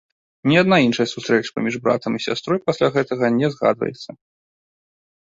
Ні адна іншая сустрэча паміж братам і сястрой пасля гэтага не згадваецца.